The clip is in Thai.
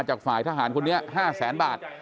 จากฝ่ายทหารคุณเนี่ย๕๐๐๐๐๐บาท